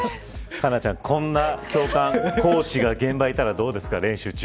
佳菜ちゃん、こんな教官コーチが現場にいたらどうですか練習中。